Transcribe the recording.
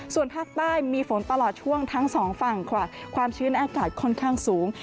ส่วนภาคใต้มีฝนตลอดช่วงทั้งสองฝั่งค่ะความชื้นอากาศค่อนข้างสูง